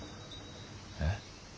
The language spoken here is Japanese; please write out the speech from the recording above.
えっ？